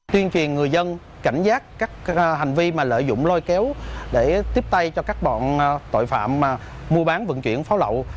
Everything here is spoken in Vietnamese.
tuyên truyền người dân cảnh giác các hành vi lợi dụng lôi kéo để tiếp tay cho các bọn tội phạm mua bán vận chuyển pháo lậu